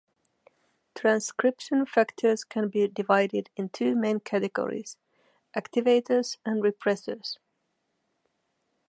Transcription factors can be divided in two main categories: activators and repressors.